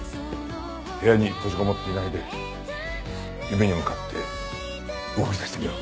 部屋に閉じこもっていないで夢に向かって動き出してみろ。